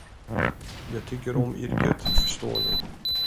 Jag tycker om yrket, förstår ni.